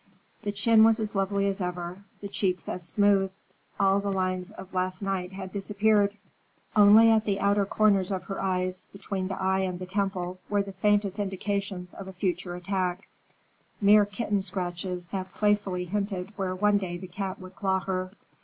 The chin was as lovely as ever, the cheeks as smooth. All the lines of last night had disappeared. Only at the outer corners of her eyes, between the eye and the temple, were the faintest indications of a future attack—mere kitten scratches that playfully hinted where one day the cat would claw her.